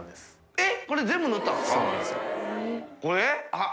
えっ！